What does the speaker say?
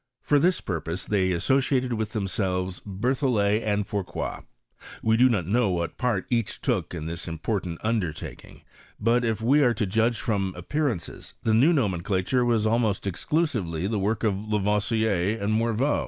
For this purpose they associated with themselves Berthollet, and Fourcroy. We do not know what part each took in this important undertaking ; but, if we are to judge from appearances, the new nomencla ture was almost exclusively the work of Lavoisier and'' Morveau.